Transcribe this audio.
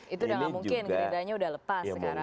itu udah gak mungkin gerindranya udah lepas sekarang